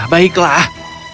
aku rasa aku tidak bermaksud jahat